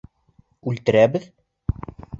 Үлтерәбеҙ?